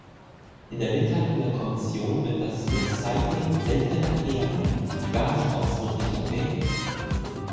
In der Mitteilung der Kommission wird das Recycling seltener Erden gar nicht ausdrücklich erwähnt!